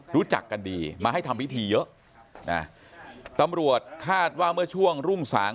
รู้จักกันดีมาให้ทำพิธีเยอะนะตำรวจคาดว่าเมื่อช่วงรุ่งสาง